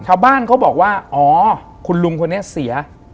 ชาวบ้านเขาบอกว่าอ๋อคุณลุงคนนี้เสีย